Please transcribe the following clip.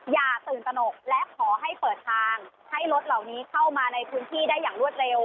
อย่าตื่นตนกและขอให้เปิดทางให้รถเหล่านี้เข้ามาในพื้นที่ได้อย่างรวดเร็ว